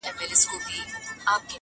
وايي نسته كجاوې شا ليلا ورو ورو؛